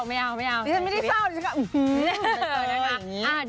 ฉันไม่ได้เศร้าฉันก็